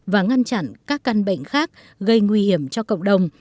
và ngăn chặn các căn bệnh khác gây nguy hiểm cho cộng đồng